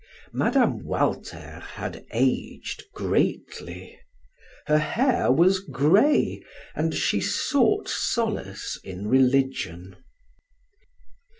Mme. Walter had aged greatly; her hair was gray and she sought solace in religion.